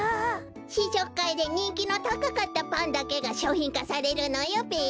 ししょくかいでにんきのたかかったパンだけがしょうひんかされるのよべ。